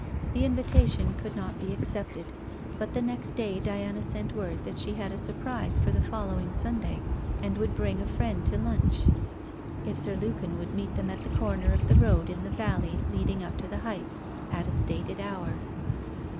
The invitation could not be accepted, but the next day Diana sent word that she had a surprise for the following Sunday, and would bring a friend to lunch, if Sir Lukin would meet them at the corner of the road in the valley leading up to the heights, at a stated hour.